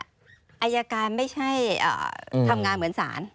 อายการไม่ใช่ทำงานเหมือนศาล